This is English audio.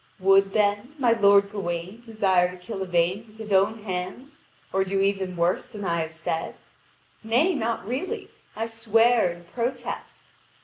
Would, then, my lord Gawain desire to kill Yvain with his own hands, or do even worse than I have said? Nay, not really, I swear and protest.